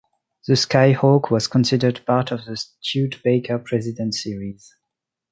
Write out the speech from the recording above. The Sky Hawk was considered part of the Studebaker President series.